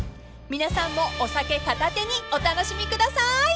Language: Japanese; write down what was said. ［皆さんもお酒片手にお楽しみください！］